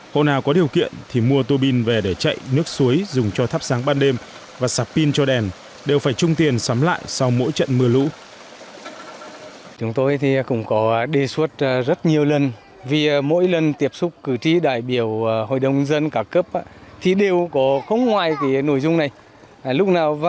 hôm nào có điều kiện thì mua tuôi biên về để chạy nước suối dùng cho thắp sáng ban đêm và sạc pin cho đèn đều phải trung tiền sắm lại sau mỗi trận mưa lũ